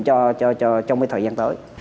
trong thời gian tới